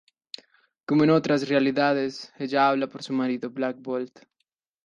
Como en otras realidades, ella habla por su marido, Black Bolt.